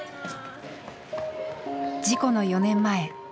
事故の４年前。